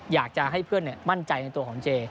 อยากจะให้เพื่อนมั่นใจในตัวของเจ